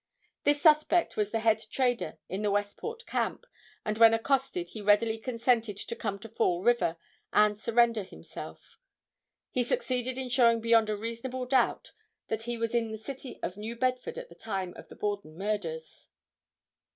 This suspect was the head trader in the Westport Camp and when accosted he readily consented to come to Fall River and surrender himself. He succeeded in showing beyond a reasonable doubt that he was in the city of New Bedford at the time of the Borden murders.